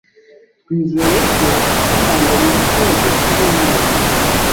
Twizeye ko uhanganye nikibazo cyumwanya mushya.